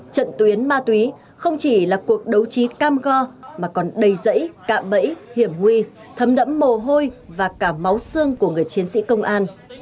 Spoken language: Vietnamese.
trận tuyến ma túy không chỉ là cuộc đấu trí cam go mà còn đầy dãy cạm bẫy hiểm nguy thấm đẫm mồ hôi và cả máu xương của người chiến sĩ công an